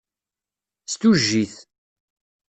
S tujjit.